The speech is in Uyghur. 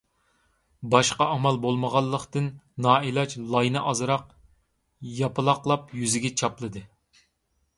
باشقا ئامال بولمىغانلىقتىن، نائىلاج لاينى ئازراق ياپىلاقلاپ يۈزىگە چاپلىدى.